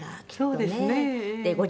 そうですね。